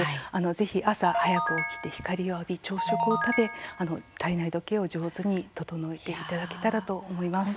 ぜひ朝早く起きて光を浴び朝食を食べ体内時計を上手に整えていただけたらと思います。